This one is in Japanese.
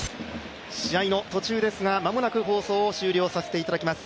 試合の途中ですが、間もなく放送を終了させていただきます。